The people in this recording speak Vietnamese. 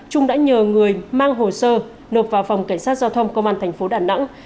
trung đã nhờ người mang hồ sơ nộp vào phòng cảnh sát giao thông công an thành phố đà nẵng